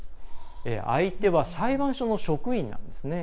相手は裁判所の職員なんですね。